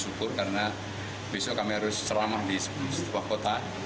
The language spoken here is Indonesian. kami bersyukur karena besok kami harus selamat di sebuah kota